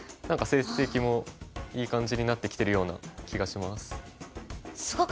何か成績もいい感じになってきてるような気がします。